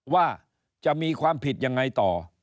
ว่าจะมีความผิดยังไงต่อ